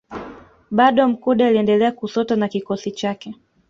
Bado Mkude aliendelea kusota na kikosi chake